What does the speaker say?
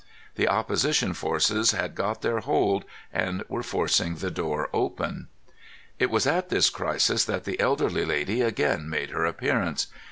The opposition forces had got their hold, and were forcing the door open. It was at this crisis that the elderly lady again made her appearance.